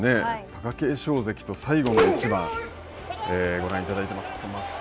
貴景勝関と最後の一番、ご覧いただいています。